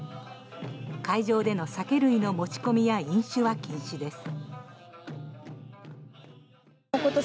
会場での酒類の持ち込みや飲酒は禁止です。